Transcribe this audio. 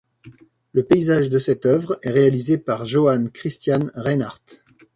Le paysage de cette œuvre est réalisé par Johann Christian Reinhart.